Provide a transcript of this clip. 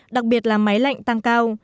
đặc biệt là máy lạnh tăng cao